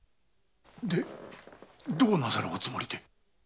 でどうなさるおつもりで。